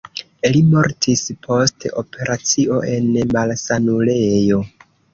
Li mortis post operacio en malsanulejo.